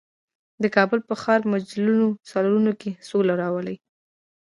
د کابل ښار په مجللو سالونونو کې سوله راولي.